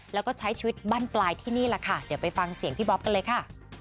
แล้วก็ใช้ชีวิตบั้นปลายที่นี่แหละค่ะเดี๋ยวไปฟังเสียงพี่บ๊อบกันเลยค่ะ